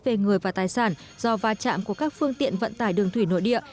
về người và tài sản do va chạm của các phương tiện vận tải đường thủy nội địa